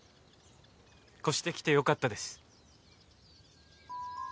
越してきてよかったです。